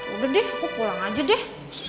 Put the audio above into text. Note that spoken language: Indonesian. udah deh aku pulang aja deh